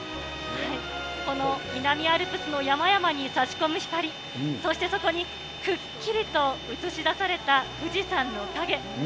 この南アルプスの山々にさし込む光、そしてそこにくっきりと映し出された富士山の影。